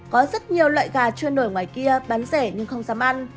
có rất nhiều loại gà trôi nổi ngoài kia bán rẻ nhưng không dám ăn